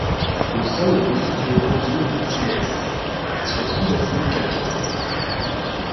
Le sol est constitué d'argiles à silex sur soubassement calcaire.